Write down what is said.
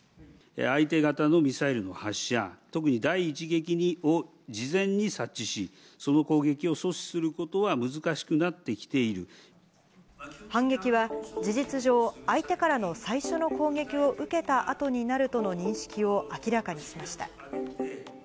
相手方のミサイルの発射、特に第一撃を事前に察知し、その攻撃を阻止することは難しく反撃は、事実上、相手からの最初の攻撃を受けたあとになるとの認識を明らかにしました。